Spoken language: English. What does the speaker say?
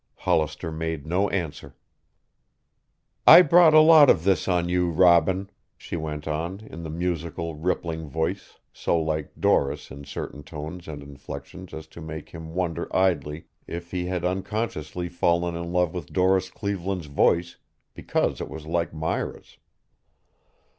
Hollister made no answer. "I brought a lot of this on you, Robin," she went on in the musical, rippling voice so like Doris in certain tones and inflections as to make him wonder idly if he had unconsciously fallen in love with Doris Cleveland's voice because it was like Myra's.